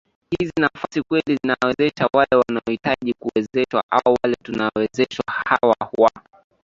hizi nafasi kweli zinawawezesha wale wanaohitaji kuwezeshwa au wale tunawewezesha hawa wa